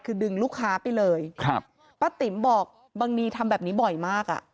คือดึงลูกค้าไปเลยครับป้าติ๋มบอกบังนีทำแบบนี้บ่อยมากอ่ะ